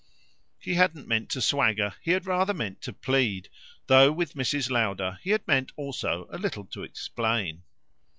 He hadn't meant to swagger, he had rather meant to plead, though with Mrs. Lowder he had meant also a little to explain.